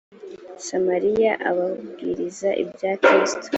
samariya ababwiriza ibya kristo